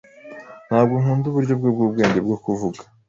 Ntabwo nkunda uburyo bwe bwubwenge bwo kuvuga.